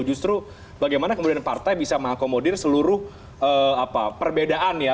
justru bagaimana kemudian partai bisa mengakomodir seluruh perbedaan ya